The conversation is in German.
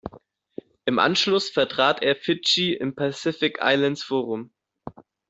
Im Anschluss vertrat er Fidschi im Pacific Islands Forum.